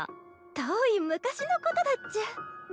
遠い昔のことだっちゃ。